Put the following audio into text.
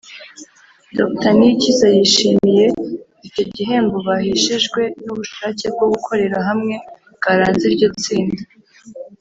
Dr Niyikiza yishimiye icyo gihembo baheshejwe n’ubushake bwo gukorera hamwe bwaranze iryo tsinda